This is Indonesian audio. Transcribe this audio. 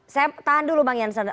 saya tahan dulu mbak nianshan